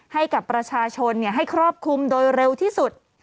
ให้กับประชาชนให้ครอบคลุมโดยเร็วที่สุด